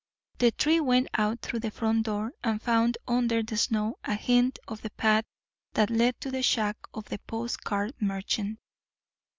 The three went out through the front door, and found under the snow a hint of the path that led to the shack of the post card merchant.